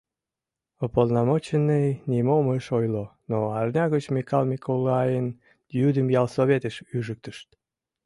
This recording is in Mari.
Уполномоченный нимом ыш ойло, но арня гыч Микал Миколайын йӱдым ялсоветыш ӱжыктышт.